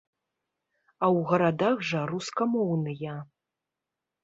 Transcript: А ў гарадах жа рускамоўныя.